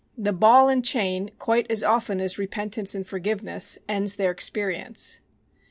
The ball and chain, quite as often as repentance and forgiveness, ends their experience.